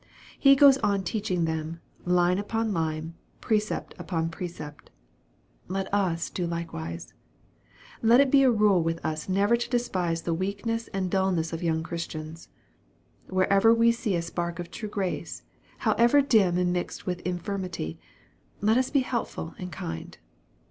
He goes on teaching them, " line upon line, precept upon precept." Let us do likewise. Let it be a rule with us never to despise the weakness and dulness of young Christians. Wherever we see a spark of true grace, however dim and mixed with infirmity, let us be helpful and kind.